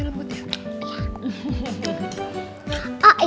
enak aja enak buat dia